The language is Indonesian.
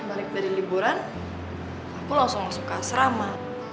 balik dari liburan aku langsung masuk ke asrama